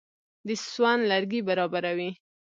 د سون لرګي برابروي.